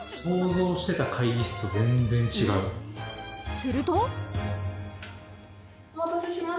すると。